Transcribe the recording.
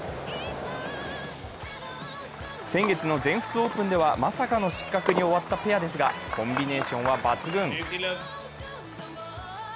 先月の全仏オープンでは、まさかの失格に終わったペアですが、コンビネーションは抜群。